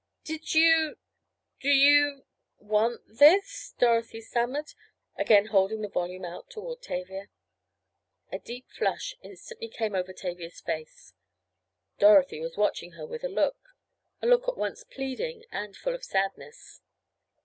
"Did you—do you—want—this?" Dorothy stammered, again holding the volume out toward Tavia. A deep flush instantly came over Tavia's face. Dorothy was watching her with a look—a look at once pleading and full of sadness.